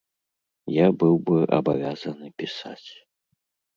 Я быў бы абавязаны пісаць.